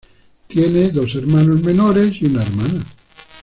Tiene dos hermanos menores y una hermana.